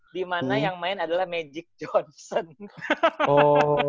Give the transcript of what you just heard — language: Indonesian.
dimana yang main adalah magic johnson